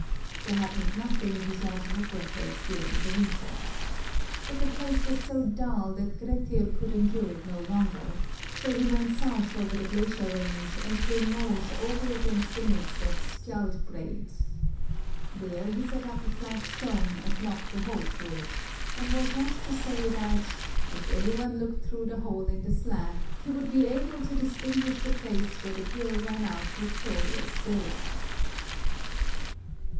There happened nothing deserving of record during the winter. But the place was so dull that Grettir could endure it no longer; so he went south over the glacier range, and came north over against the midst of Skjaldbreid. There he set up a flat stone, and knocked a hole through it, and was wont to say, that " if any one looked through the hole in the slab, he would be able to distinguish the place where the gill ran out of Thorir's dale."